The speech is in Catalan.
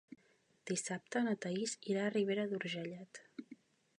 Dissabte na Thaís irà a Ribera d'Urgellet.